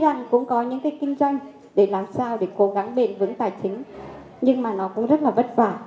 tuy rằng cũng có những cái kinh doanh để làm sao để cố gắng bền vững tài chính nhưng mà nó cũng rất là vất vả